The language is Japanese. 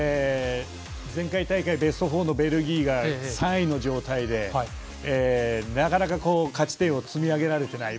前回大会べスト４のベルギーが３位の状態でなかなか勝ち点を積み上げられていない。